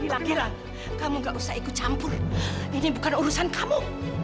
gilang gilang kamu nggak usah ikut campur ini bukan urusan kamu